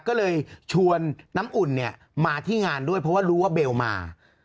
ก็เลยชวนน้ำอุ่นเนี่ยมาที่งานด้วยเพราะว่ารู้ว่าเบลมา